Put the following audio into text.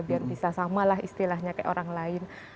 biar bisa sama lah istilahnya kayak orang lain